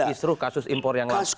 justru kasus impor yang lain